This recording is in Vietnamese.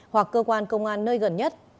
hoặc cơ quan công an nơi gần nhất